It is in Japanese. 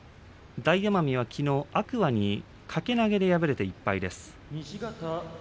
大奄美、きのう、天空海に掛け投げで敗れて１敗です。